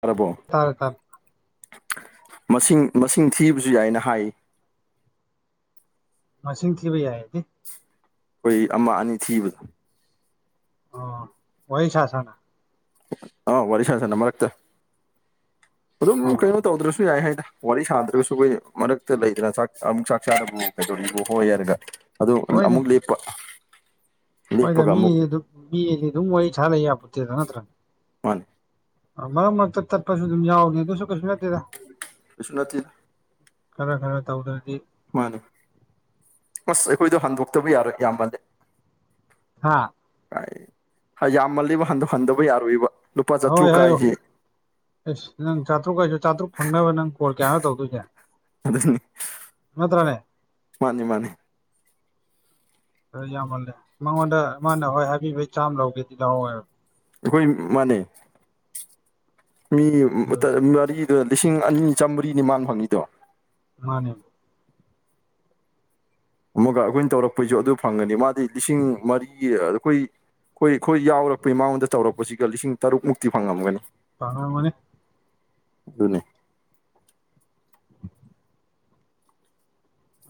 ꯇꯥꯔꯕꯣ ꯇꯥꯔꯦ ꯇꯥꯔꯦ ꯃꯁꯤꯡ ꯃꯁꯤꯡ ꯊꯤꯕꯁꯨ ꯌꯥꯏꯅ ꯍꯥꯏ ꯃꯁꯤꯡ ꯊꯤꯕ ꯌꯥꯏ ꯍꯥꯏꯗꯤ ꯑꯩꯈꯣꯏ ꯑꯃ ꯑꯅꯤ ꯊꯤꯕꯗꯣ ꯑꯣ ꯋꯥꯁꯁꯅ ꯑꯥꯎ ꯋꯥꯔꯤ ꯁꯥꯥꯟꯅ ꯁꯅ ꯃꯔꯛꯇ ꯑꯗꯨꯝ ꯀꯩꯅꯣ ꯑꯣ ꯇꯧꯗ꯭ꯔꯁꯨ ꯌꯥꯏ ꯍꯥꯏꯗꯅ ꯋꯥꯔꯤ ꯁꯥꯗ꯭ꯔꯒꯁꯨ ꯑꯩꯈꯣꯏ ꯃꯔꯛꯇ ꯂꯩꯗꯅ ꯆꯥꯛ ꯑꯃꯨꯛ ꯆꯥꯛ ꯆꯥꯕꯨ ꯀꯩꯗꯧꯔꯤꯕ ꯍꯣꯏ ꯍꯥꯏꯔꯒ ꯑꯗꯨ ꯑꯃꯨꯛ ꯍꯣꯏꯅꯦ ꯂꯦꯞꯄ ꯍꯣꯏꯗ ꯂꯦꯞꯄꯒ ꯃꯤ ꯑꯃꯨꯛ ꯃꯤꯗꯤ ꯑꯗꯨꯝ ꯋꯔꯤ ꯁꯥ ꯂꯩ ꯌꯥꯄꯣꯠꯇꯦꯗ ꯅꯠꯇ꯭ꯔꯅꯦ ꯃꯥꯅꯦ ꯃꯔꯛ ꯃꯔꯛꯇ ꯆꯠꯄꯁꯨ ꯑꯗꯨꯝ ꯌꯥꯎꯏ ꯑꯗꯨꯁꯨ ꯀꯩꯁꯨ ꯅꯠꯇꯦꯗ ꯀꯩꯁꯨ ꯅꯠꯇꯦ ꯈꯔ ꯈꯔ ꯇꯧꯗ꯭ꯔꯗꯤ ꯃꯥꯅꯦ ꯑꯁ ꯑꯩꯈꯣꯏꯗꯣ ꯍꯟꯗꯣꯛꯇꯕ ꯌꯥꯔꯣꯏ ꯌꯥꯝ ꯃꯜꯂꯦ ꯍꯥꯥ ꯀꯥꯏ ꯌꯥꯝꯃꯜꯂꯤꯕ ꯍꯟꯗ ꯍꯟꯗꯕ ꯌꯥꯔꯣꯏꯕ ꯂꯨꯄꯥ ꯍꯣꯏ ꯆꯥꯇ꯭ꯔꯨꯛ ꯍꯥꯏꯌꯣ ꯀꯥꯏꯁꯦ ꯑꯦꯁ ꯅꯪ ꯆꯥꯇ꯭ꯔꯨꯛ ꯀꯩꯁꯨ ꯆꯥꯇ꯭ꯔꯨꯛ ꯐꯪꯅꯕ ꯅꯪ ꯀꯣꯜ ꯀꯌꯥꯅꯣ ꯇꯧꯗꯣꯏꯁꯦ ꯑꯗꯨꯅꯤ ꯅꯥꯠꯇꯔꯥꯅꯦ ꯃꯥꯅꯤ ꯃꯥꯅꯤ [unintelligible] ꯍ ꯌꯥꯝꯃꯜꯂꯦ ꯃꯉꯣꯟꯗ ꯃꯥꯅ ꯍꯣꯏ ꯍꯥꯏꯕꯤꯕꯩ ꯆꯥꯝꯃ ꯂꯧꯒꯦꯗꯤ ꯂꯧ ꯍꯥꯢꯋꯣ ꯑꯩꯈꯣꯏ ꯃꯥꯅꯦ ꯃꯤ ꯑꯗꯨꯒ ꯃꯔꯤ ꯑꯗꯨ ꯂꯤꯁꯤꯡ ꯑꯅꯤ ꯆꯝꯃꯔꯤꯅꯤ ꯃꯥꯅ ꯐꯪꯉꯤꯗꯣ ꯃꯥꯅꯦ ꯑꯃꯨꯛꯒ ꯑꯩꯈꯣꯏꯅ ꯇꯧꯔꯛꯄꯩꯁꯨ ꯑꯗꯨ ꯐꯪꯒꯅꯤ ꯃꯥꯗꯤ ꯂꯤꯁꯤꯡ ꯃꯔꯤ ꯑꯩꯈꯣꯏ ꯑꯩꯈꯣꯏ ꯑꯩꯈꯣꯏ ꯌꯥꯎꯔꯛꯄꯩ ꯃꯉꯣꯟꯗ ꯇꯧꯔꯛꯄꯁꯤꯒ ꯂꯤꯁꯤꯡ ꯇꯔꯨꯛꯃꯨꯛꯇꯤ ꯐꯪꯉꯝꯒꯅꯤ ꯐꯪꯂꯝꯒꯅꯤ ꯑꯗꯨꯅꯦ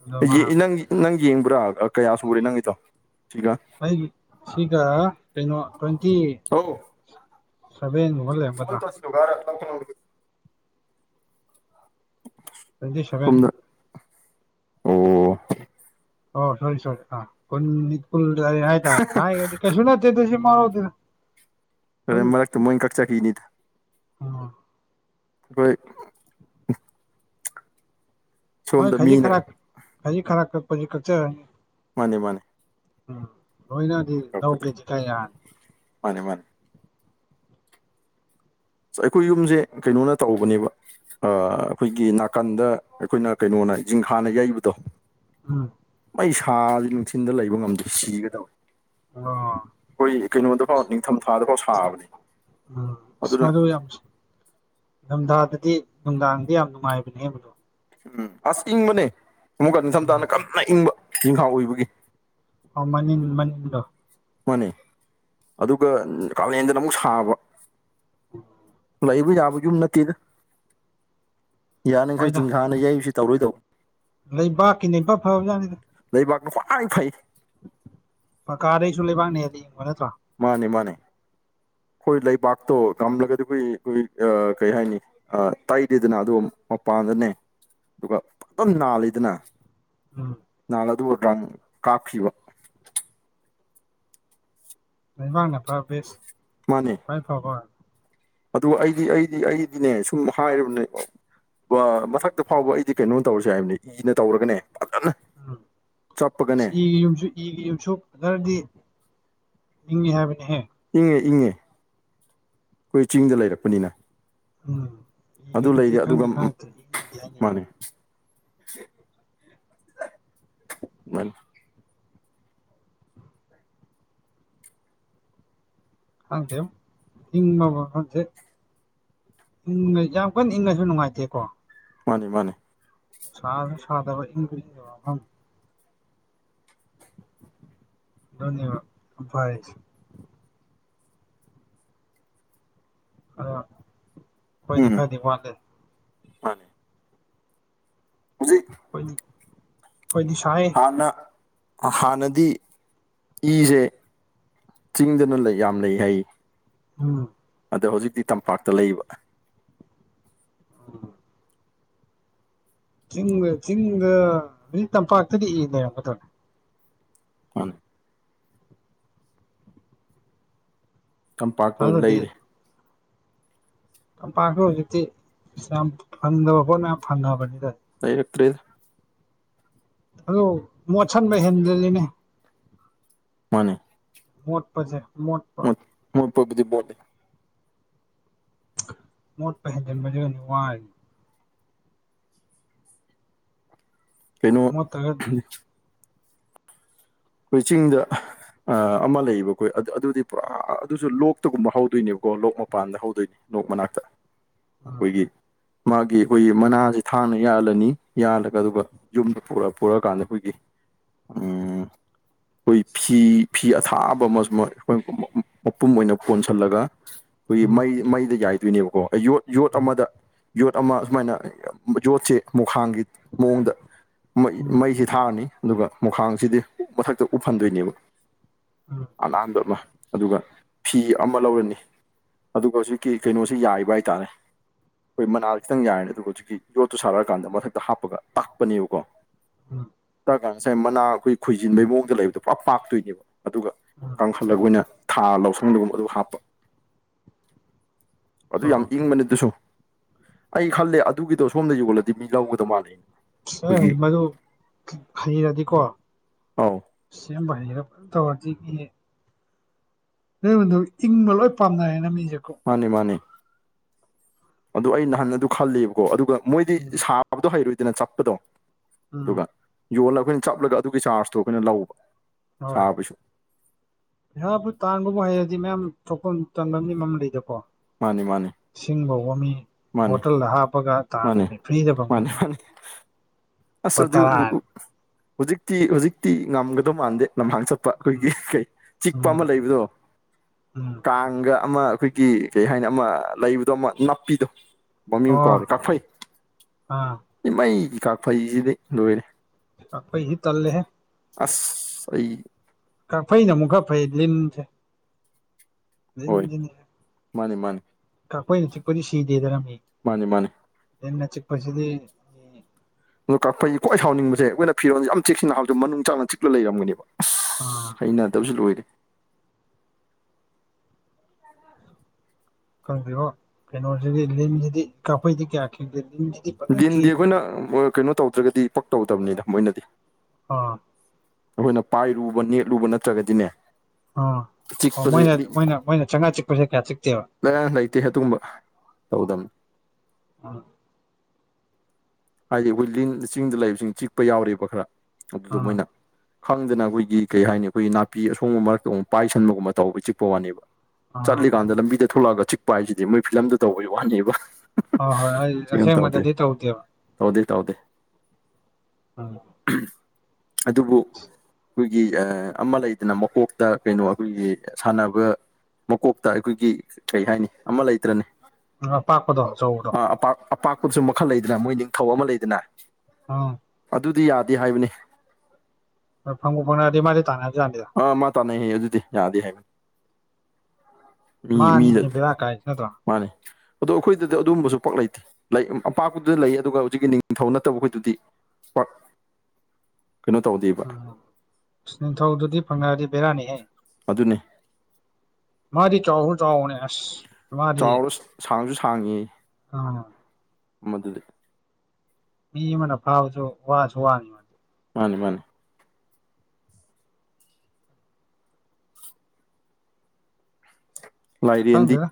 ꯑꯗꯣ ꯃꯥ ꯅꯪ ꯅꯪ ꯌꯦꯡꯕ꯭ꯔꯥ ꯀꯌꯥ ꯁꯨꯔꯦ ꯅꯪꯒꯤꯗꯣ ꯁꯤꯒ ꯑꯩ ꯁꯤꯒ ꯀꯩꯅꯣ ꯇ꯭ꯋꯦꯟꯇꯤ ꯑꯧ ꯁꯕꯦꯟ ꯒꯨꯝꯕ ꯍꯧꯖꯤꯛꯀ ꯂꯩꯔꯝꯒꯗꯔꯥ [inaudible] ꯇ꯭ꯋꯦꯟꯇꯤ ꯁꯚꯦꯟ ꯁꯣꯝꯗ ꯑꯣ ꯑꯣ ꯁꯣꯔꯤ ꯁꯣꯔꯤ ꯍꯥꯏ ꯇꯔꯦ ꯍꯥꯏ ꯀꯩꯁꯨ ꯅꯠꯇꯦ ꯑꯗꯨ ꯑꯣꯏꯁꯨ ꯃꯋꯥ ꯂꯧꯗꯦꯗ ꯑꯗꯨꯅꯦ ꯃꯔꯛꯇ ꯃꯣꯏꯅ ꯀꯛꯆꯈꯤꯅꯤꯗ ꯎꯝ ꯑꯩꯈꯣꯏ ꯃꯣꯏ ꯁꯣꯝꯗ ꯈꯖꯤ ꯃꯤꯅ ꯈꯔ ꯈꯖꯤ ꯈꯔ ꯊꯥꯛꯆꯔꯅꯤ ꯃꯥꯅꯦ ꯃꯥꯅꯦ ꯎꯝ ꯂꯣꯏꯅꯗꯤ ꯂꯧꯒꯦꯗꯤ ꯀꯥꯏ ꯌꯥꯔꯅꯤ ꯃꯥꯅꯤ ꯃꯥꯅꯤ ꯑꯩꯈꯣꯏ ꯌꯨꯝꯁꯦ ꯀꯩꯅꯣꯅ ꯇꯧꯕꯅꯦꯕ ꯑꯩꯈꯣꯏꯒꯤ ꯅꯥꯀꯟꯗ ꯑꯩꯈꯣꯏꯅ ꯀꯩꯅꯣꯅ ꯖꯤꯡꯒꯥꯅ ꯌꯩꯕꯗꯣ ꯎꯝ ꯃꯩ ꯁꯥꯗꯤ ꯅꯨꯡꯊꯤꯟꯗ ꯂꯩꯕ ꯉꯝꯗꯦ ꯁꯤꯒꯦ ꯇꯧꯏ ꯑꯣ ꯑꯩꯈꯣꯏ ꯀꯩꯅꯣꯗꯐꯥꯎ ꯅꯤꯡꯊꯝ ꯊꯥꯗꯐꯥꯎ ꯁꯥꯕꯅꯤ ꯎꯝ ꯑꯗꯨꯅ [inaudible] ꯅꯤꯡꯊꯝ ꯊꯥꯗꯗꯤ ꯅꯨꯡꯗꯥꯡꯗꯤ ꯌꯥꯝ ꯅꯨꯡꯉꯥꯏꯕꯅꯦ ꯎꯝ ꯑꯁ ꯏꯪꯕꯅꯦ ꯑꯃꯨꯛꯀ ꯎꯝ ꯅꯤꯡꯊꯝꯊꯥꯅ ꯀꯟꯅ ꯏꯪꯕ ꯅꯤꯡꯊꯝ ꯑꯣꯏꯕꯒꯤ ꯑꯥ ꯃꯅꯤꯡ ꯃꯅꯤꯡꯗꯣ ꯃꯥꯅꯦ ꯑꯗꯨꯒ ꯀꯥꯂꯦꯟꯗꯅ ꯑꯃꯨꯛ ꯁꯥꯕ ꯎꯝ [inaudible] ꯂꯩꯕ ꯌꯥꯕ ꯌꯨꯝ ꯅꯠꯇꯦꯗ ꯌꯥꯅꯈꯩ ꯍꯣꯏꯗ ꯆꯤꯡꯈꯥꯅ ꯌꯩꯕꯁꯤ ꯇꯧꯔꯣꯏꯗꯧꯅꯤ ꯂꯩꯕꯥꯛꯀꯤꯅ ꯏꯐ ꯐꯕꯖꯥꯠꯅꯤꯗ ꯂꯩꯕꯥꯛꯇ ꯈ꯭ꯋꯥꯏ ꯐꯩ ꯄꯀꯥꯗꯩꯁꯨ ꯂꯩꯕꯥꯛꯅꯦꯗꯤ ꯌꯦꯡꯕ ꯅꯠꯇ꯭ꯔꯣ ꯃꯥꯅꯦ ꯃꯥꯅꯦ ꯑꯩꯈꯣꯏ ꯂꯩꯕꯥꯛꯇꯣ ꯉꯝꯂꯒꯗꯤ ꯑꯩꯈꯣꯏ ꯀꯩ ꯍꯥꯏꯅꯤ ꯇꯩꯗꯦꯗꯅ ꯑꯗꯨ ꯃꯄꯥꯟꯗꯅꯦ ꯑꯗꯨꯒ ꯑꯗꯨꯝ ꯅꯥꯜꯂꯤꯗꯅ ꯎꯝ ꯅꯍꯥꯟ ꯑꯗꯨꯕꯨ ꯔꯝ ꯀꯥꯞꯈꯤꯕ [unintelligible] ꯃꯥꯅꯦ ꯈ꯭ꯋꯥꯏ ꯐꯕ ꯑꯗꯨ ꯑꯩꯗꯤ ꯑꯩꯗꯤ ꯑꯩꯗꯤꯅꯦ ꯁꯨꯝ ꯍꯥꯏꯔꯕꯅꯦ ꯃꯊꯛꯇ ꯐꯥꯎꯕ ꯑꯩꯗꯤ ꯀꯩꯅꯣ ꯇꯧꯔꯁꯦ ꯍꯥꯏꯕꯅꯤ ꯏꯅ ꯇꯧꯔꯒꯅꯦ ꯐꯖꯅ ꯎ ꯆꯞꯄꯒꯅꯦ ꯁꯤ ꯌꯨꯝꯁꯦ ꯏꯒꯤ ꯌꯨꯝꯁꯨꯨ ꯐꯖꯅꯗꯤ ꯏꯡꯉꯤ ꯍꯥꯏꯕꯅꯤꯍꯦ ꯏꯪꯉꯦ ꯏꯪꯉꯦ ꯑꯩꯈꯣꯏ ꯆꯤꯡꯗ ꯂꯩꯔꯛꯄꯅꯤꯅ ꯎꯝ ꯑꯗꯨ ꯏꯒꯗꯨꯗꯤ ꯂꯩꯗꯤ ꯑꯗꯨꯒ ꯈꯪꯗꯤ ꯈꯪꯉꯛꯇ꯭ꯔꯦ ꯏꯪꯉꯤꯗꯤ ꯍꯥꯏꯅꯩ ꯃꯥꯅꯤ ꯃꯥꯅꯤ ꯈꯪꯗꯦꯕꯣ ꯏꯪꯕ ꯃꯥꯐꯝꯁꯦ ꯌꯥꯝ ꯀꯟꯅ ꯏꯪꯉꯁꯨ ꯅꯨꯡꯉꯥꯏꯇꯦꯀꯣ ꯃꯥꯅꯦ ꯃꯥꯅꯦ ꯁꯥꯗ ꯁꯗꯕ ꯏ ꯑꯗꯨꯅꯦꯕꯥ ꯅꯨꯄꯥ ꯍꯥꯏꯁꯦ ꯑ ꯐꯣꯏꯅꯤ ꯎꯝ ꯈꯅꯤ ꯋꯥꯠꯂꯦ ꯍꯧꯖꯤ ꯍꯣꯏꯗꯤ ꯍꯣꯏꯗꯤ ꯁꯥꯏ ꯍꯥꯟꯅ ꯍꯥꯟꯅꯗꯤ ꯏꯁꯦ ꯆꯤꯡꯗꯅ ꯂꯩ ꯌꯥꯝ ꯂꯩ ꯍꯥꯏ ꯎꯝ ꯑꯗꯣ ꯍꯧꯖꯤꯛꯇꯤ ꯇꯝꯄꯥꯛꯇ ꯂꯩꯕ ꯎꯝ ꯆꯤꯡꯒ ꯆꯤꯡꯒ ꯍꯧꯖꯤꯛ ꯇꯝꯄꯥꯛꯇꯗꯤ ꯏ ꯂꯩꯔꯒꯗꯔꯅꯦ ꯃꫪꯦ ꯀꯝꯄꯥꯛꯇꯨ ꯑꯗꯨꯗꯤ ꯂꯩꯔꯦ ꯇꯝꯄꯥꯛꯁꯨ ꯍꯧꯖꯤꯛꯇꯤ ꯌꯥꯝ ꯐꯟꯗꯕ ꯈꯣꯠꯅ ꯌꯥꯝ ꯐꯅꯕꯅꯤꯗ ꯂꯩꯔꯛꯇꯔꯦꯗ ꯑꯗꯨ ꯃꯣꯠꯁꯤꯟꯕ ꯍꯦꯟꯒꯜꯂꯤꯅꯦ ꯃꯥꯅꯦ ꯃꯣꯠꯄꯁꯦ ꯃꯣꯠ ꯃꯣꯏ ꯄꯕꯗꯤꯕꯣ ꯃꯣꯠ ꯄ ꯃꯅꯅꯨꯡꯉꯥꯏ ꯀꯩꯅꯣ ꯃꯣꯠꯇ꯭ꯔꯒ ꯑꯩꯈꯣꯏ ꯆꯤꯡꯗ ꯑ ꯑꯃ ꯂꯩꯌꯦꯕ ꯑꯩꯈꯣꯏ ꯑꯗꯨꯗꯤ ꯄꯨꯔꯥ ꯑꯗꯨꯁꯨ ꯂꯣꯛꯇꯒꯨꯝꯕ ꯍꯧꯗꯣꯏꯅꯦꯕꯀꯣ ꯂꯣꯛ ꯃꯄꯥꯟꯗ ꯍꯧꯗꯣꯏꯅꯤ ꯅꯣꯛ ꯃꯅꯥꯛꯇ ꯎꯝ ꯑꯩꯈꯣꯏꯒꯤ ꯃꯥꯒꯤ ꯑꯩꯈꯣꯏꯒꯤ ꯃꯅꯥꯁꯤ ꯊꯥꯡꯅ ꯌꯥꯜꯂꯅꯤ ꯌꯥꯜꯂꯒ ꯑꯗꯨꯒ ꯌꯨꯝꯗ ꯄꯨꯔ ꯄꯨꯔꯛꯑꯀꯥꯟꯗ ꯑꯩꯈꯣꯏꯒꯤ ꯎꯝ ꯑꯩꯈꯣꯏ ꯐꯤ ꯐꯤ ꯑꯊꯥꯕ ꯑꯃ ꯑꯩꯈꯣꯏ ꯃꯄꯨꯝ ꯑꯣꯏꯅ ꯀꯣꯟꯁꯤꯜꯂꯒ ꯑꯩꯈꯣꯏꯒꯤ ꯎꯝ ꯃꯩ ꯃꯩꯗ ꯌꯥꯏꯗꯣꯏꯅꯦꯕꯀꯣ ꯑꯩ ꯌꯣꯠ ꯌꯣꯠ ꯑꯃꯗ ꯌꯣꯠ ꯑꯃ ꯁꯨꯃꯥꯏꯅ ꯌꯣꯠꯁꯦ ꯃꯨꯈꯥꯡꯒꯤ ꯃꯑꯣꯡꯗ ꯎꯝ ꯃꯩꯁꯤ ꯊꯥꯔꯅꯤ ꯑꯗꯨꯒ ꯃꯨꯈꯥꯡꯁꯤꯗꯤ ꯃꯊꯛꯇ ꯎꯞꯍꯟꯗꯣꯏꯅꯦꯕ ꯎꯝ ꯑꯅꯥꯟꯕ ꯑꯃ ꯑꯗꯨꯒ ꯐꯤ ꯑꯃ ꯂꯧꯔꯅꯤ ꯑꯗꯨꯒ ꯍꯧꯖꯤꯛꯀꯤ ꯀꯩꯅꯣꯁꯦ ꯌꯥꯏꯕ ꯍꯥꯏꯇꯥꯔꯦ ꯑꯩꯈꯣꯏ ꯃꯅꯥꯗꯣ ꯈꯤꯇꯪ ꯌꯥꯏ ꯑꯗꯨꯒ ꯍꯧꯖꯤꯛꯀꯤ ꯌꯣꯠꯇꯨ ꯁꯥꯔꯛꯑꯀꯥꯟꯗ ꯃꯊꯛꯇ ꯍꯥꯞꯄꯒ ꯇꯥꯛꯄꯅꯦꯕꯀꯣ ꯎꯝ ꯉꯁꯥꯏ ꯃꯅꯥ ꯑꯩꯈꯣꯏ ꯈꯣꯏꯖꯤꯟꯕꯩ ꯃꯑꯣꯡꯗ ꯂꯩꯕꯗꯣ ꯄꯨꯔꯥ ꯄꯥꯛꯇꯣꯏꯅꯦꯕ ꯑꯗꯨꯒ ꯎꯝ ꯀꯔ ꯈꯜꯂꯒ ꯑꯩꯈꯣꯏꯅ ꯊꯥ ꯂꯧꯁꯪꯗꯒꯨꯝꯕ ꯑꯗꯨ ꯍꯥꯞꯄ ꯑꯗꯨ ꯌꯥꯝ ꯑꯣ ꯏꯪꯕꯅꯤ ꯑꯗꯨꯁꯨ ꯑꯩ ꯈꯜꯂꯦ ꯑꯗꯨꯒꯤꯗꯣ ꯁꯣꯝꯗ ꯌꯣꯜꯂꯗꯤ ꯃꯤ ꯂꯧꯒꯗꯕ ꯃꯥꯜꯂꯦ ꯁ ꯍ ꯑꯩꯈꯣꯏꯒꯤ ꯃꯗꯨ ꯍꯩꯔꯗꯤꯀꯣ ꯑꯧ ꯁꯦꯝꯕ ꯍꯩꯔ ꯇꯧꯔꯗꯤ ꯃꯤꯑꯣꯏꯕꯗꯣ ꯏꯪꯕ ꯂꯣꯏ ꯄꯥꯝꯅꯔꯦꯅ ꯃꯤꯁꯦꯀꯣ ꯃꯥꯅꯤ ꯃꯥꯅꯤ ꯑꯗꯨ ꯑꯩ ꯅꯍꯥꯟ ꯑꯗꯨꯅ ꯑꯗꯨ ꯈꯂꯕꯀꯣ ꯑꯗꯨꯒ ꯃꯣꯏꯗꯤ ꯎꯝ ꯁꯥꯕꯗꯣ ꯍꯩꯔꯣꯏꯏꯗꯅ ꯆꯠꯄꯗꯣ ꯎꯝ ꯑꯗꯨꯒ ꯌꯣꯜꯂꯒ ꯑꯩꯈꯣꯏꯅ ꯆꯞꯂꯒ ꯑꯗꯨꯒꯤ ꯆꯥꯔꯖꯇꯣ ꯑꯩꯈꯣꯏꯅ ꯂꯧꯕ ꯍꯣꯏ ꯁꯥꯕꯩꯁꯨ ꯄꯩꯁꯥꯕꯨꯨ ꯇꯥꯟꯕꯕꯨ ꯍꯩꯔꯗꯤ ꯃꯌꯥꯝ ꯊꯣꯛꯐꯝ ꯇꯥꯟꯕꯝꯗꯤ ꯃꯌꯥꯝ ꯂꯩꯗꯀꯣ ꯃꯥꯅꯤ ꯃꯥꯅꯤ ꯏꯁꯤꯡ ꯐꯥꯎꯕ ꯃꯤ ꯃꯥꯅꯤ ꯕꯣꯇꯜꯗ ꯍꯥꯞꯄꯒ ꯃꯥꯅꯤ ꯇꯥꯜꯂꯤꯃꯤ ꯐ꯭ꯔꯤꯗ ꯃꯥꯅꯤ ꯐꯪꯕꯁꯤꯡꯗ ꯃꯥꯅꯤ ꯑꯁ ꯑꯗꯨ ꯍꯧꯖꯤꯛꯇꯤ ꯍꯧꯖꯤꯛꯇꯤ ꯉꯝꯒꯗꯧ ꯃꯥꯟꯗꯦ ꯂꯝꯍꯥꯡ ꯆꯠ ꯑꯩꯈꯣꯏꯒꯤ ꯎꯝ ꯀꯩ ꯆꯤꯛꯄ ꯑꯃ ꯎꯝ ꯂꯩꯕꯗꯣ ꯎꯝ ꯀꯥꯡꯒ ꯑꯃ ꯑꯩꯈꯣꯏꯒꯤ ꯀꯩ ꯍꯥꯏꯅꯤ ꯑꯃ ꯂꯩꯕꯗꯣ ꯑꯃ ꯅꯥꯞꯄꯤꯗꯣ ꯃꯃꯤꯡ ꯑꯣ ꯀꯥꯎꯔꯦ ꯀꯥꯐꯩ ꯑꯥ ꯃꯩꯒꯤ ꯀꯥꯐꯩꯁꯤꯗꯤꯩ ꯂꯣꯏꯔꯦ ꯑꯍꯤ ꯆꯜꯂꯦꯍꯦ ꯑꯁ ꯑꯩ ꯀꯥꯛꯐꯩꯅ ꯑꯃꯨꯛ ꯈꯔ ꯐꯩ ꯂꯤꯟꯁꯦ ꯍꯣꯏ ꯂꯖ ꯃꯥꯅꯤ ꯃꯥꯅꯤ ꯀꯈꯣꯏꯅ ꯆꯤꯛꯄꯗꯤ ꯁꯤꯗꯦꯗꯔꯝꯃꯤ ꯃꯥꯅꯦ ꯃꯥꯅꯦ ꯂꯤꯟꯅ ꯆꯤꯛꯄꯁꯤꯗꯤ ꯑꯗꯣ ꯀꯛꯄꯩ ꯀꯣꯏ ꯍꯥꯎꯅꯤꯡꯕꯁꯦ ꯑꯩꯈꯣꯏꯅꯤꯔꯣꯟꯁꯦ ꯌꯥꯝ ꯆꯦꯛꯁꯤꯟꯟꯅꯕꯗꯣ ꯃꯅꯨꯡꯅꯨꯡ ꯆꯅ ꯆꯤꯛꯂ ꯂꯩꯔꯒꯅꯦꯕ ꯑꯁ ꯑꯥ ꯍꯩꯅꯗꯕꯁꯨ ꯂꯣꯏꯔꯦ ꯈꯪꯗ꯭ꯔꯤꯕꯣ ꯀꯩꯅꯣꯁꯤꯗꯤ ꯂꯤꯟꯁꯤꯗꯤ ꯀꯥꯐꯩꯗꯤ ꯀꯌꯥ ꯈꯦꯡꯗꯦ ꯂꯤꯁꯤꯗꯤ ꯟꯗꯤ ꯑꯩꯈꯣꯏꯅ ꯀꯩꯅꯣ ꯇꯧꯗ꯭ꯔꯒꯗꯤ ꯄꯛ ꯇꯧꯗꯕꯅꯤꯅ ꯃꯣꯏꯅꯗꯤ ꯑ ꯑꯩꯈꯣꯏꯅ ꯄꯥꯏꯔꯨꯕ ꯅꯦꯠꯂꯨꯕ ꯅꯠꯇ꯭ꯔꯒꯗꯤꯅꯦ ꯑ ꯑ ꯆꯤꯛꯄꯁꯦ ꯃꯣꯏꯅ ꯃꯣꯏꯅ ꯃꯣꯏꯅ ꯆꯥꯉꯥꯛꯑꯒ ꯆꯤꯛꯄꯁꯦ ꯀꯌꯥ ꯆꯤꯛꯇꯦꯕ ꯂ ꯂꯩꯇꯦ ꯑꯗꯨꯒꯨꯝꯕ ꯇꯧꯗꯝꯕꯅꯤ ꯑ ꯍꯥꯏꯗꯤ ꯑꯩꯈꯣꯏ ꯂꯤꯟ ꯆꯤꯡꯗ ꯂꯩꯕꯁꯤꯡ ꯆꯤꯛꯄ ꯌꯥꯎꯔꯤꯕ ꯈꯔ ꯑꯗꯨꯗ ꯑꯥ ꯃꯣꯏꯅ ꯈꯪꯗꯅ ꯑꯩꯈꯣꯏꯒꯤ ꯀꯩ ꯍꯥꯏꯅꯤ ꯑꯩꯈꯣꯏꯒꯤ ꯅꯥꯄꯤ ꯑꯁꯣꯡꯕ ꯃꯔꯛꯇ ꯑꯃꯨꯛ ꯄꯥꯏꯁꯟꯕꯒꯨꯝꯕ ꯇꯧꯕ ꯆꯤꯛꯄ ꯋꯥꯅꯦꯕ ꯑꯥ ꯆꯠꯂꯤꯀꯥꯟꯗ ꯂꯝꯕꯤꯗ ꯊꯣꯛꯂꯛꯑꯒ ꯆꯤꯛꯄ ꯍꯥꯏꯁꯤꯗꯤ ꯃꯣꯏ ꯐꯤꯂꯝꯗ ꯇꯧꯕꯩ ꯋꯥꯅꯦꯕ ꯍꯣꯏ ꯍꯣꯏ ꯑꯩ ꯁꯤꯅ ꯇꯧꯗꯦ ꯑꯁꯦꯡꯕꯗꯗꯤ ꯇꯧꯗꯦꯕ ꯇꯧꯗꯦ ꯇꯩꯗꯦ ꯑ ꯑꯗꯨꯕꯨ ꯑꯩꯈꯣꯏꯒꯤ ꯑ ꯑꯃ ꯂꯩꯗꯅ ꯃꯀꯣꯛꯇ ꯀꯩꯅꯣ ꯑꯩꯈꯣꯏꯒꯤ ꯁꯥꯟꯅꯕ ꯃꯀꯣꯛꯇ ꯑꯩꯈꯣꯏꯒꯤ ꯀꯩ ꯍꯥꯏꯅꯤ ꯑꯃ ꯂꯩꯇꯔꯅꯦ ꯎ ꯑꯄꯥꯛꯄꯗꯣ ꯑꯆꯧꯕꯗꯣ ꯄꯥꯛ ꯑꯄꯥꯛꯄꯁꯨ ꯃꯈꯜ ꯂꯩꯗꯅ ꯃꯣꯏ ꯅꯤꯡꯊꯧ ꯑꯃ ꯂꯩꯗꯅ ꯑꯥ ꯑꯗꯨꯗꯤ ꯌꯥꯗꯦ ꯍꯥꯏꯕꯅꯤ ꯍꯣꯏ ꯐꯪꯕꯨ ꯐꯪꯔꯗꯤ ꯇꯥꯟꯅꯕꯖꯥꯟꯅꯤꯗ ꯑꯥ ꯃꯥ ꯇꯥꯅꯩꯌꯦ ꯑꯗꯨꯗꯤ ꯌꯥꯗꯤ ꯍꯥꯏꯃꯤꯅꯤ ꯃꯤ ꯃꯤꯅ ꯃꯥꯅꯤꯅꯦ ꯕꯦꯔꯥ ꯀꯥꯏꯁꯦ ꯅꯠꯇ꯭ꯔꯣ ꯃꯥꯅꯦ ꯑꯗꯣ ꯑꯩꯈꯣꯏꯗꯗꯤ ꯑꯗꯨꯝꯕꯁꯨ ꯄꯛ ꯂꯩꯇꯦ ꯂꯩ ꯑꯄꯥꯛꯄꯗꯨꯗ ꯂꯩ ꯑꯗꯨꯒ ꯍꯧꯖꯤꯛꯀꯤ ꯅꯤꯡꯊꯧ ꯅꯠꯇꯕ ꯑꯩꯈꯣꯏꯗꯨꯗꯤ ꯄꯛ ꯀꯩꯅꯣ ꯇꯧꯕꯗꯤ ꯎꯝ ꯅꯤꯡꯊꯧꯗꯨꯗꯤ ꯐꯪꯉꯛꯑꯗꯤ ꯕꯦꯔꯥꯅꯤ ꯑꯗꯨꯅꯦ ꯃꯥꯗꯤ ꯆꯥꯎꯁꯨ ꯆꯥꯎꯥꯎꯅꯦꯁ ꯆꯥꯎꯔꯥꯎꯔ ꯁꯥꯡꯁꯨ ꯁꯥꯡꯉꯤ ꯑ ꯎꯝ ꯑꯗꯨꯗꯤ ꯃꯤ ꯑꯃꯅ ꯐꯥꯕꯁꯨ ꯋꯥꯁꯨ ꯋꯥꯅꯤ ꯃꯥꯗꯤ ꯃꯥꯅꯦ ꯃꯥꯅꯦ ꯂꯥꯏꯔꯦꯟꯗꯤ ꯁꯨꯈꯪꯗꯔ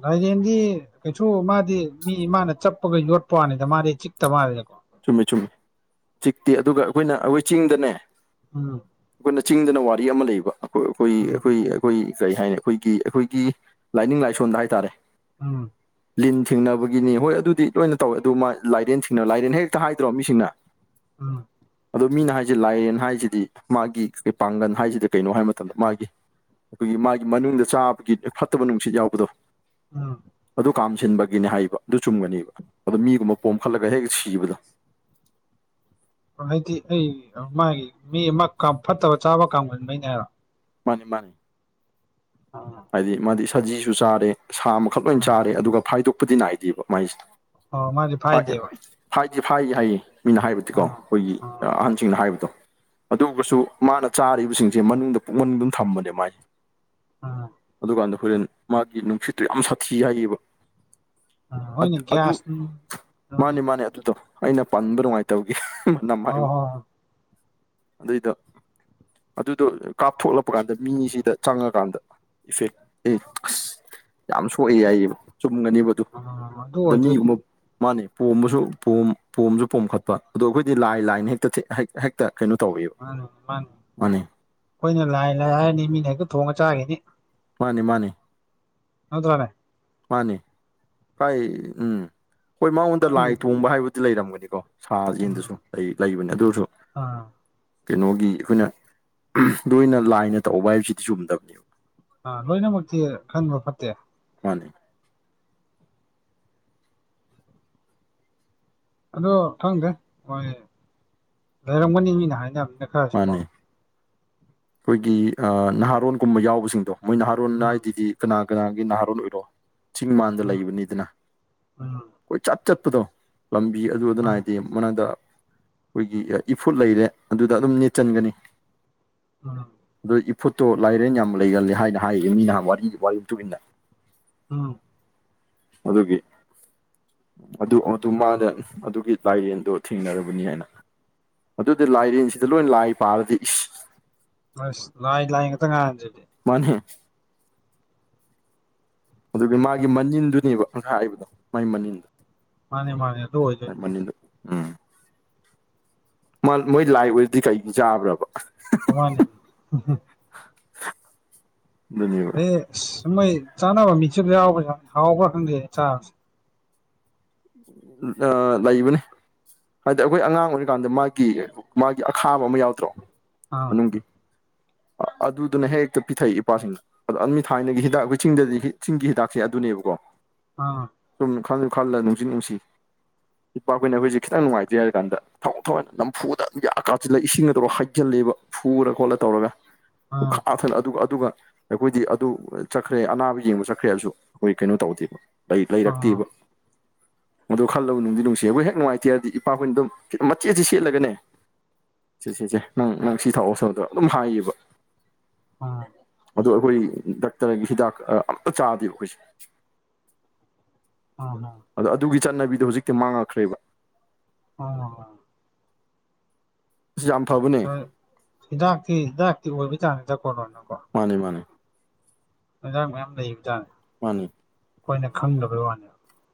ꯂꯩꯥꯏꯔꯦꯟꯗꯤ ꯀꯩꯁꯨ ꯃꯥꯗꯤ ꯃꯤ ꯃꯥꯅ ꯆꯞꯄꯒ ꯌꯣꯠꯄ ꯋꯥꯅꯤꯗ ꯃꯥꯗꯤ ꯆꯤꯛꯇ ꯃꯥꯜꯂꯦꯗꯀꯣ ꯆꯨꯝꯃꯦ ꯆꯨꯝꯃꯤ ꯆꯤꯛꯇꯦ ꯑꯗꯨꯒ ꯑꯩꯈꯣꯏꯅ ꯑꯩꯈꯣꯏ ꯆꯤꯡꯗꯅꯦ ꯎꯝ ꯑꯩꯈꯣꯏꯅ ꯆꯤꯡꯗꯅ ꯋꯥꯔꯤ ꯑꯃ ꯂꯩꯕ ꯑꯩꯈꯣꯏ ꯎꯝ ꯑꯩꯈꯣꯏ ꯑꯩꯈꯣꯏ ꯑꯩꯈꯣꯏ ꯀꯔꯤ ꯍꯥꯏꯅꯤ ꯑꯩꯈꯣꯏꯒꯤ ꯑꯩꯈꯣꯏꯒꯤ ꯂꯥꯏꯅꯤꯡ ꯂꯥꯏꯁꯣꯟꯗ ꯍꯥꯏꯇꯥꯔꯦ ꯎꯝ ꯂꯤꯟ ꯊꯤꯡꯅꯕꯒꯤꯅꯤ ꯍꯣꯏ ꯑꯗꯨꯗꯤ ꯂꯣꯏꯅ ꯇꯧꯋꯦ ꯑꯗꯨ ꯃꯥ ꯂꯥꯏꯔꯦꯟ ꯊꯤꯡꯅꯕ ꯂꯥꯏꯔꯦꯟ ꯍꯦꯛ ꯍꯥꯏꯗ꯭ꯔꯣ ꯃꯤꯁꯤꯡꯅ ꯎꯝ ꯑꯗꯣ ꯃꯤꯅ ꯍꯥꯏꯁꯤ ꯂꯥꯏꯔꯦꯟ ꯍꯥꯏꯁꯤꯗꯤ ꯃꯥꯒꯤ ꯀꯩ ꯄꯥꯡꯒꯟ ꯍꯥꯏꯁꯤꯗꯤ ꯀꯩꯅꯣ ꯍꯥꯏꯕ ꯃꯇꯝꯗ ꯃꯥꯒꯤ ꯑꯩꯈꯣꯏꯒꯤ ꯃꯥꯒꯤ ꯃꯅꯨꯡꯗ ꯆꯥꯕꯒꯤ ꯐꯠꯇꯕ ꯅꯨꯡꯁꯤꯠ ꯌꯥꯎꯕꯗꯣ ꯎꯝ ꯑꯗꯨ ꯀꯥꯝꯁꯤꯟꯕꯒꯤꯅꯤ ꯍꯥꯏꯕ ꯑꯗꯨ ꯆꯨꯝꯒꯅꯦꯕ ꯑꯗꯣ ꯃꯤꯒꯨꯝꯕ ꯄꯣꯝꯈꯠꯂꯒ ꯍꯦꯛ ꯁꯤꯕꯗꯣ ꯍꯥꯏꯗꯤ ꯑꯩ ꯃꯥꯒꯤ ꯃꯤ ꯑꯃ ꯐꯠꯇꯕ ꯆꯥꯕ ꯀꯥꯡꯕꯨꯉꯩꯅꯦ ꯍꯥꯏꯕꯣ ꯃꯥꯅꯤ ꯃꯥꯅꯤ ꯑ ꯍꯥꯏꯗꯤ ꯃꯥꯗꯤ ꯁꯖꯤꯁꯨ ꯆꯥꯔꯦ ꯁꯥ ꯃꯈꯈꯛ ꯂꯣꯏ ꯎꯝ ꯆꯥꯔꯦ ꯑꯗꯨꯒ ꯐꯥꯏꯗꯣꯛꯄꯗꯤ ꯅꯥꯏꯗꯦꯕ ꯃꯥꯏꯁꯦ ꯑꯣ ꯃꯥꯗꯤ ꯐ ꯐꯥꯏꯗꯦꯕ ꯐꯥꯏꯗꯤ ꯐꯥꯏ ꯍꯥꯏꯌꯦ ꯃꯤꯅ ꯍꯥꯏꯕꯗꯤꯀꯣ ꯎꯝ ꯑꯩꯈꯣꯏꯒꯤ ꯎꯝ ꯑꯍꯟꯁꯤꯡꯅ ꯍꯥꯏꯕꯗꯣ ꯑꯗꯨꯒꯁꯨ ꯃꯥꯅ ꯆꯥꯔꯤꯕꯁꯤꯡꯁꯦ ꯃꯅꯨꯡꯗ ꯄꯨꯛ ꯃꯅꯨꯡꯗ ꯑꯗꯨꯝ ꯊꯝꯕꯅꯦ ꯃꯥꯏꯁꯦ ꯑꯥ ꯑꯗꯨꯀꯥꯟꯗ ꯍꯣꯔꯦꯟ ꯃꯥꯒꯤ ꯅꯨꯡꯁꯤꯠꯇꯨ ꯌꯥꯝ ꯁꯥꯊꯤ ꯍꯥꯏꯌꯦꯕ ꯎꯝ ꯍꯣꯏꯅꯦ ꯑꯗꯨ ꯒ꯭ꯌꯥꯁ ꯎꯝ ꯍꯣꯏ ꯃꯥꯅꯦ ꯃꯥꯅꯦ ꯑꯗꯨꯗ ꯑꯩꯅ ꯄꯟꯕ ꯅꯨꯡꯉꯥꯏꯇꯕꯒꯤ ꯅꯃꯥꯏ ꯍꯣꯏ ꯍꯣꯏ ꯑꯗꯨꯏꯗ ꯑꯗꯨꯗꯣ ꯀꯥꯞꯊꯣꯛꯂꯛꯄ ꯀꯥꯟꯗ ꯃꯤꯁꯤꯗ ꯆꯪꯉꯀꯥꯟꯗ ꯏꯐꯦꯛ ꯑ ꯌꯥꯝ ꯁꯣꯛꯑꯦ ꯍꯥꯏꯏꯌꯦꯕ ꯆꯨꯝꯒꯅꯤꯕ ꯑꯗꯨ ꯑꯗ ꯑꯣꯏꯗꯣꯏꯅꯤ ꯃꯤꯒꯨꯝꯕ ꯃꯥꯅꯤ ꯄꯣꯝꯕꯁꯨ ꯄꯣꯝ ꯄꯣꯝꯁꯨ ꯄꯣꯝꯈꯠꯄ ꯑꯗꯣ ꯑꯩꯈꯣꯏꯗꯤ ꯂꯥꯏ ꯂꯥꯏꯅ ꯍꯦꯛꯇ ꯍꯦꯛ ꯀꯩꯅꯣ ꯇꯧꯕꯤꯌꯨ ꯃꯥꯅꯤꯅꯦ ꯃꯥꯅꯤꯅꯦ ꯑꯩꯈꯣꯏꯅ ꯂꯥꯏ ꯂꯥꯏ ꯍꯥꯏꯔꯅꯤ ꯃꯤꯅ ꯍꯦꯛꯇ ꯊꯣꯡꯉꯒ ꯆꯥꯈꯤꯅꯤ ꯃꯥꯅꯤ ꯃꯥꯅꯤ [inaudible] ꯃꯥꯅꯤ ꯍꯥꯏ ꯎꯝ ꯍꯣꯏ ꯃꯉꯣꯟꯗ ꯈꯪꯗꯦ ꯂꯥꯏ ꯇꯣꯡꯕ ꯍꯥꯏꯕꯗꯤ ꯂꯩꯔꯝꯒꯅꯤꯀꯣ ꯁꯥ ꯎꯝ ꯌꯦꯟꯗꯨꯁꯨ ꯂꯩ ꯂꯩꯕꯅꯦ ꯑꯗꯨꯁꯨ ꯑꯥ ꯀꯩꯅꯣꯒꯤ ꯑꯩꯈꯣꯏꯅ ꯅꯣꯏꯅ ꯂꯥꯏꯅ ꯇꯧꯕ ꯍꯥꯏꯕꯁꯤꯗꯤ ꯆꯨꯝꯗꯕꯅꯤꯕ ꯑ ꯂꯣꯏꯅꯃꯛꯇꯤ ꯈꯟꯕ ꯐꯠꯇꯦ ꯃꯥꯅꯦ ꯑꯗꯣ ꯈꯪꯗꯦ ꯃꯣꯏ ꯂꯩꯔꯝꯒꯅꯤ ꯃꯤꯅ ꯍꯥꯏꯅꯕ ꯅ ꯃꯥꯅꯦ ꯑꯩꯈꯣꯏꯒꯤ ꯅꯍꯥꯔꯣꯟꯒꯨꯝꯕ ꯌꯥꯎꯕꯁꯤꯡꯗꯣ ꯃꯣꯏ ꯅꯍꯥꯔꯣꯟ ꯎꯝ ꯍꯥꯏꯗꯨꯗꯤ ꯀꯅꯥ ꯀꯅꯥꯒꯤ ꯅꯍꯥꯔꯣꯟ ꯑꯣꯏꯔꯣ ꯆꯤꯡ ꯃꯥꯟꯗ ꯎꯝ ꯂꯩꯕꯅꯤꯗꯅ ꯎꯝ ꯀꯣꯏꯆꯠ ꯆꯠꯄꯗꯣ ꯂꯝꯕꯤ ꯑꯗꯨ ꯑꯗꯨꯅ ꯃꯥꯅꯦ ꯍꯥꯏꯗꯤ ꯃꯗ ꯑꯩꯈꯣꯏꯒꯤ ꯏꯐꯨꯠ ꯂꯩꯔꯦ ꯑꯗꯨ ꯗ ꯑꯗꯨꯝ ꯅꯅꯤꯠꯆꯟꯒꯅꯤ ꯑ ꯑꯗꯨꯣ ꯏꯐꯨꯠꯇꯣ ꯂꯥꯏꯔꯦꯟ ꯌꯥꯝ ꯂꯩꯒꯂꯦ ꯍꯥꯏꯅ ꯍꯥꯏꯌꯦ ꯃꯤ ꯅꯍꯥꯟ ꯋꯥꯔꯤ ꯃꯇꯨꯡꯨꯟꯅ ꯎꯝ ꯑꯗꯨꯒꯤ ꯑꯗꯨ ꯑꯗꯨ ꯑꯥ ꯃꯥꯅ ꯑꯗꯨꯒꯤ ꯂꯥꯏꯔꯦꯟꯗꯣ ꯊꯦꯡꯅꯔꯕꯅꯤ ꯑꯗꯨꯗꯤ ꯂꯥꯏꯔꯦꯟꯁꯤꯗ ꯂꯣꯏ ꯂꯥꯏ ꯄꯥꯂꯗꯤ ꯏꯁ ꯑ ꯂꯥꯏ ꯂꯥꯏ ꯉꯥꯛꯛꯇ ꯉꯥꯡꯖꯗꯤ ꯃꯥꯅꯦꯍꯦ ꯑꯗꯨꯒꯤ ꯃꯥꯒꯤ ꯃꯅꯤꯟꯗꯨꯅꯦꯕ [unintelligible] ꯍꯥꯏꯕꯗꯣ ꯃꯥꯒꯤ ꯃꯅꯤꯟ ꯃꯥꯅꯦ ꯃꯥꯅꯦ ꯑꯗꯨ ꯑꯣꯏꯗꯣꯏꯅꯤ ꯎꯝ ꯃꯣꯏ ꯂꯥꯏ ꯑꯣꯏꯔꯗꯤ ꯀꯩ ꯆꯥꯕ꯭ꯔꯕ [unintelligible] [unintelligible] ꯁꯨꯝꯃꯩ ꯆꯥꯅꯕ ꯃꯤꯆꯞꯁ ꯍꯥꯎꯕ ꯌꯥ ꯍꯥꯎꯕ꯭ꯔꯥ ꯈꯪꯗꯦ ꯆꯥꯕꯁꯦ ꯑ ꯂꯥꯛꯕꯅꯦ ꯍꯥꯏꯗꯤ ꯑꯩꯈꯣꯏ ꯑꯉꯥꯡ ꯑꯣꯏꯔꯤꯀꯥꯟꯗ ꯃꯥꯒꯤ ꯃꯥꯒꯤ ꯑꯈꯥꯕ ꯑꯃ ꯌꯥꯎꯗ꯭ꯔꯣ ꯑꯥ ꯃꯅꯨꯡꯒꯤ ꯑꯗꯨꯗꯅ ꯍꯦꯛꯇ ꯄꯤꯊꯛꯏ ꯏꯄꯥꯁꯤꯡꯅ ꯑꯗꯣ ꯑꯗꯨ ꯊꯥꯏꯅꯒꯤ ꯍꯤꯗꯥꯛ ꯑꯩꯈꯣꯏ ꯆꯤꯡꯗꯗꯤ ꯆꯤꯡꯒꯤ ꯍꯤꯗꯥꯛꯁꯦ ꯑꯗꯨꯅꯦꯕꯀꯣ ꯑꯥ ꯁꯨꯝ ꯈꯜꯂ ꯈꯜꯂ ꯅꯨꯡꯁꯨ ꯅꯨꯡꯁꯤ ꯏꯄꯥꯈꯣꯏꯅ ꯑꯩꯈꯣꯏꯁꯦ ꯈꯤꯇꯪ ꯅꯨꯡꯉꯥꯏꯇ꯭ꯔꯦ ꯍꯥꯏ ꯀꯥꯟꯗ ꯊꯋꯥꯏ ꯊꯋꯥꯏ ꯅꯝꯐꯨꯗ ꯑꯗꯨꯝ ꯀꯥꯁꯤꯜꯂ ꯏꯁꯤꯡꯗꯧꯔꯒ ꯍ ꯍꯥꯏꯖꯤꯜꯂꯦꯕ ꯐꯨꯔ ꯈꯣꯠꯂ ꯇꯧꯔꯒ ꯑꯥ [unintelligible] ꯑꯗꯨꯒ ꯑꯗꯨꯒ ꯑꯩꯈꯣꯏꯗꯤ ꯑꯗꯨ ꯆꯠꯈ꯭ꯔꯦ ꯑꯅꯥꯕ ꯌꯦꯡꯕ ꯆꯠꯈ꯭ꯔꯦ ꯍꯥꯏꯁꯨ ꯑꯩꯈꯣꯏ ꯀꯩꯅꯣ ꯇꯧꯗꯦꯕ ꯑꯥ ꯂꯩꯔꯛꯇꯦꯕ ꯑꯥ ꯃꯗꯨꯣ ꯈꯜꯂꯨ ꯅꯨꯡꯗꯤ ꯅꯨꯡꯁꯤ ꯑꯩꯈꯣꯏ ꯍꯦꯛ ꯅꯨꯡꯉꯥꯏꯇꯦꯔꯗꯤ ꯏꯄꯥꯈꯣꯏꯅ ꯑꯗꯨꯝ ꯃꯆꯦꯠꯦ ꯁꯦꯠꯂꯒꯅꯦ ꯁꯤ ꯁꯤꯁꯦ ꯅꯪ ꯅꯪ ꯁꯤ ꯊꯥꯛꯑꯣꯁꯨꯗ ꯑꯗꯨꯝ ꯍꯥꯏꯌꯦꯕ ꯎꯝ ꯑꯗ ꯑꯩꯈꯣꯏ ꯗꯥꯛꯇꯔꯒꯤ ꯍꯤꯗꯥꯛ ꯑꯝꯇ ꯆꯥꯗꯦꯕ ꯑꯩꯈꯣꯏꯁꯦ ꯎꯝ ꯎꯝ ꯑꯗꯣ ꯑꯗꯨꯒꯤ ꯆꯠꯅꯕꯤꯗꯣ ꯍꯧꯖꯤꯛꯇꯤ ꯃꯥꯡꯉꯛꯈ꯭ꯔꯦꯕ ꯑꯣ ꯌꯥꯝꯝ ꯐꯕꯅꯤ ꯍꯣꯏ ꯍꯤꯗꯥꯛꯇꯤ ꯍꯤꯗꯥꯛꯇꯤ ꯑꯣꯏꯕ ꯆꯥꯅꯤꯗ ꯀꯣꯂꯣꯅꯀꯣ ꯃꯥꯅꯦ ꯃꯥꯅꯦ ꯌꯦꯟꯖꯥꯡ ꯃꯌꯥꯝ ꯂꯩ ꯖꯥꯡ ꯃꯥꯅꯤ ꯑꯩꯈꯣꯏꯅ ꯈꯪꯗꯕꯩ ꯋꯥꯅꯦ